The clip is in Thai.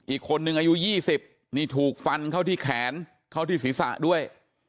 อีกคนนึงอายุ๒๐นี่ถูกฟันเข้าที่แขนเข้าที่ศีรษะด้วย